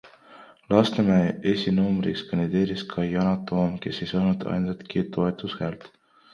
Lasnamäe esinumbriks kandideeris ka Yana Toom, kes ei saanud ainsatki toetushäält.